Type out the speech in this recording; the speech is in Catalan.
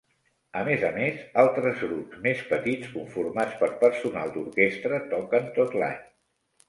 A més a més, altres grups més petits conformats per personal d'orquestra toquen tot l'any.